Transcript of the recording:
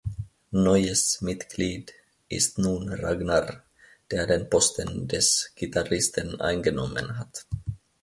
Neues Mitglied ist nun Ragnar, der den Posten des Gitarristen eingenommen hat.